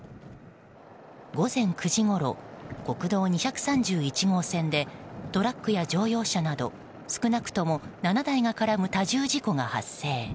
午前９時ごろ国道２３１号線でトラックや乗用車など少なくとも７台が絡む多重事故が発生。